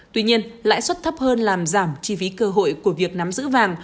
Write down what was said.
tuy nhiên lãi suất thấp hơn làm giảm chi phí cơ hội của việc nắm giữ vàng